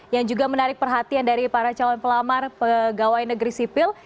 yang juga menarik perhatian dari para calon pelamar pegawai negeri sipil